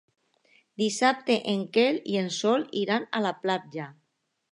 Dissabte en Quel i en Sol iran a la platja.